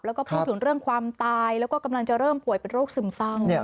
แล้วก็พูดถึงเรื่องความตายแล้วก็กำลังจะเริ่มป่วยเป็นโรคซึมเศร้า